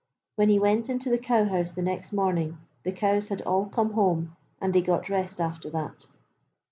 When he went into the cowhouse the next morning the cows had all come home and they got rest after that.